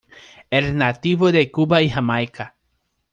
Es nativo de Cuba y Jamaica.